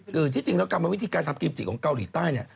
คือที่จริงแล้วกรรมวิธีการทำกิมจิของเกาหลีใต้เนี่ย